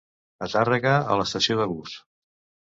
A Tàrrega a l'estació de bus.